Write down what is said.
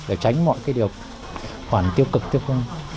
để tránh mọi cái điều khoản tiêu cực tiêu công